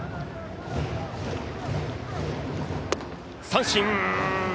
三振！